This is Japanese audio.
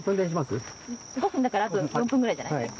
５分だからあと３分ぐらいじゃない。